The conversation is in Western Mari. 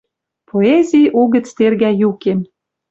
Поэзи угӹц тергӓ юкем.